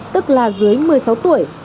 tức là dưới một mươi sáu tuổi